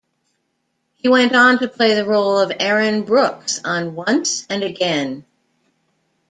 He went on to play the role of Aaron Brooks on "Once and Again".